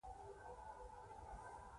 انقلابونه او بدلونونه زېږوي.